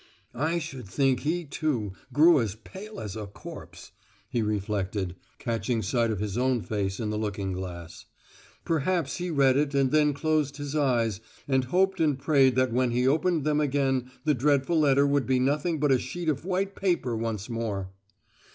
"I should think he, too, grew as pale as a corpse," he reflected, catching sight of his own face in the looking glass. "Perhaps he read it and then closed his eyes and hoped and prayed that when he opened them again the dreadful letter would be nothing but a sheet of white paper once more!